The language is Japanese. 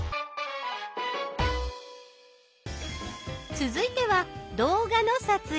続いては動画の撮影。